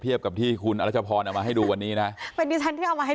กับที่คุณอรัชพรเอามาให้ดูวันนี้นะเป็นดิฉันที่เอามาให้